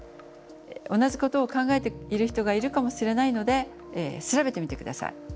同じことを考えている人がいるかもしれないので調べてみて下さい。